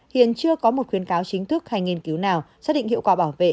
hiện chưa có một khuyên cáo chính thức hay nghiên cứu nào xác định hiệu quả bảo vệ